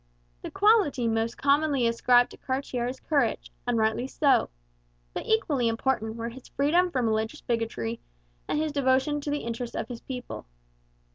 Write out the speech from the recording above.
The quality most commonly ascribed to Cartier is courage; and rightly so. But equally important were his freedom from religious bigotry and his devotion to the interests of his own people.